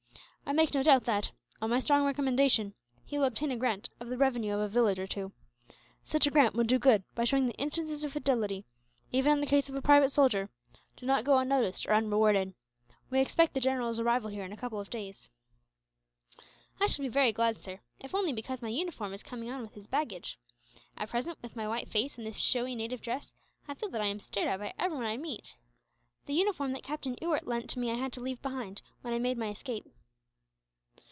I make no doubt that, on my strong recommendation, he will obtain a grant of the revenue of a village or two. Such a grant would do good by showing that instances of fidelity, even in the case of a private soldier, do not go unnoticed or unrewarded. We expect the general's arrival here in a couple of days." "I shall be very glad, sir, if only because my uniform is coming on with his baggage. At present, with my white face and this showy native dress, I feel that I am stared at by everyone I meet. The uniform that Captain Ewart lent me I had to leave behind, when I made my escape."